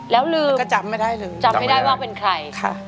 แล้วลืมจำไม่ได้ว่าเป็นใคร